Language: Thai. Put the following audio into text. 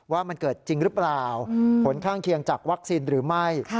ว่ามันเกิดจริงหรือเปล่าผลข้างเคียงจากวัคซีนหรือไม่